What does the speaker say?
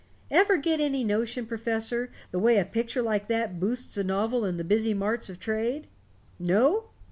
Ever get any notion, Professor, the way a picture like that boosts a novel in the busy marts of trade? No?